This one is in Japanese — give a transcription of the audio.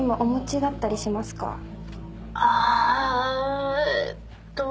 あーっと。